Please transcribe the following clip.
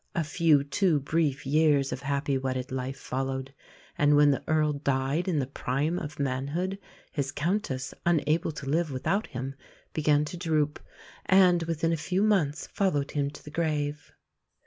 A few too brief years of happy wedded life followed; and when the Earl died in the prime of manhood his Countess, unable to live without him, began to droop and, within a few months, followed him to the grave.